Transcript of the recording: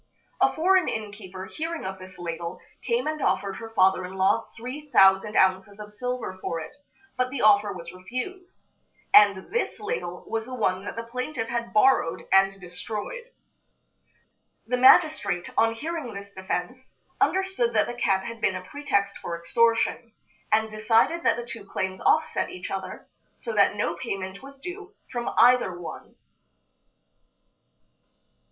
A foreign inn keeper, hearing of this ladle, came and offered her father in law three thousand ounces of silver for it, but the offer was refused. And this ladle was the one that the plaintiff had borrowed and destroyed. The magistrate, on hearing this defense, understood that the cat had been a pretext for extortion, and decided that the two claims offset each other, so that no payment was due from either one.